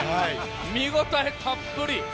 見応えたっぷり！